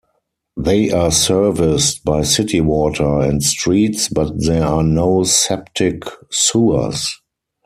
They are serviced by city water and streets, but there are no septic sewers.